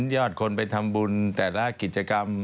ยอดคนไปทำบุญแต่ละกิจกรรม